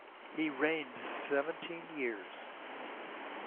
He reigned seventeen years.